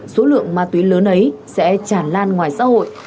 số lượng ma túy lớn ấy sẽ tràn lan ngoài xã hội